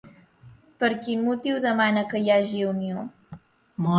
Per quin motiu demana que hi hagi unió?